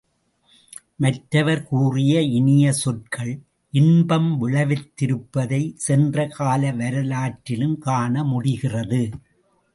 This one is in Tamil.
மற்றவர் கூறிய இனிய சொற்கள் இன்பம் விளைவித்திருப்பதைச் சென்ற காலவரலாற்றிலும் காணமுடிகிறது.